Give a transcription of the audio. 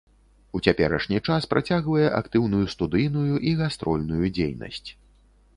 У цяперашні час працягвае актыўную студыйную і гастрольную дзейнасць.